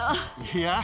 いや。